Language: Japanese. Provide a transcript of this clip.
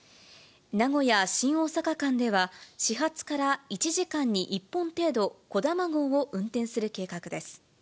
名古屋・新大阪間では、始発から１時間に１本程度、こだま号を運転する計画です。